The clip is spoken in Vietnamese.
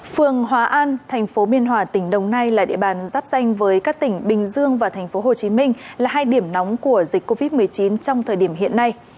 phường hóa an thành phố biên hòa tỉnh đồng nai là địa bàn giáp danh với các tỉnh bình dương và thành phố hồ chí minh là hai điểm nóng của dịch covid một mươi chín trong thời điểm hiện nay